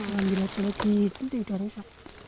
lagi lagi itu sudah rosak